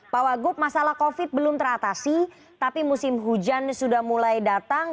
pak wagub masalah covid belum teratasi tapi musim hujan sudah mulai datang